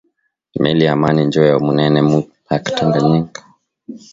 Meli ya amani njo ya munene mu lac tanganyika